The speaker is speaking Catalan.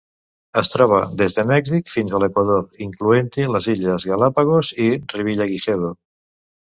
Es troba des de Mèxic fins a l'Equador, incloent-hi les Illes Galápagos i Revillagigedo.